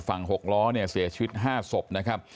ฝั่งกระบาด๔ศพนะฮะส่วนฝั่งหกล้อเสียชีวิต๕ศพนะฮะ